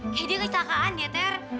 eh dia kecelakaan ya ter